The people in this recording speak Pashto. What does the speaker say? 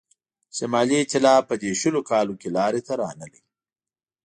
شمالي ایتلاف په دې شلو کالو کې لاري ته رانغی.